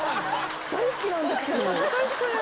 大好きなんですけど。